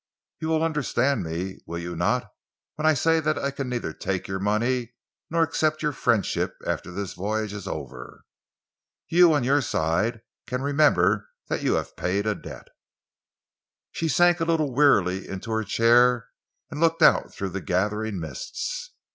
You will understand me, will you not, when I say that I can neither take your money, nor accept your friendship after this voyage is over? You, on your side, can remember that you have paid a debt." She sank a little wearily into her chair and looked out through the gathering mists.